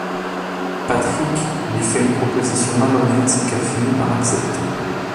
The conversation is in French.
Patrick lui fait une proposition malhonnête qu'elle finit par accepter.